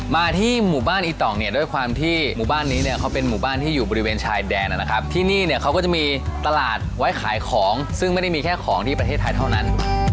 มาที่หมู่บ้านอีต่องเนี่ยด้วยความที่หมู่บ้านนี้เนี่ยเขาเป็นหมู่บ้านที่อยู่บริเวณชายแดนนะครับที่นี่เนี่ยเขาก็จะมีตลาดไว้ขายของซึ่งไม่ได้มีแค่ของที่ประเทศไทยเท่านั้น